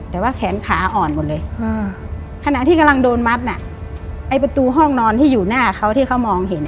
แต่ว่าแขนขาอ่อนหมดเลยขณะที่กำลังโดนมัดน่ะไอ้ประตูห้องนอนที่อยู่หน้าเขาที่เขามองเห็น